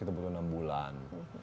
kita butuh enam bulan